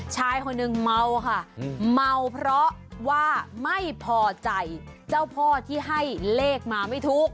ชายคนหนึ่งเมาค่ะเมาเพราะว่าไม่พอใจเจ้าพ่อที่ให้เลขมาไม่ถูก